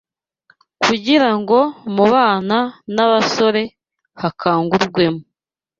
Kugira ngo mu bana n’abasore hakangurwemo